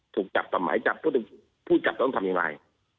ถูกจับต่อหมายจับพูดจับต้องทำยังไง